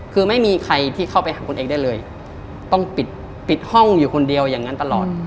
คือไม่มีใครที่เข้าไปหาคนเองได้เลยต้องปิดปิดห้องอยู่คนเดียวอย่างนั้นตลอด